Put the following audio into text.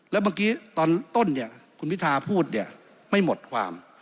แล้วเมื่อกี้ตอนต้นเนี่ยคุณพิทาพูดเนี่ยไม่หมดความ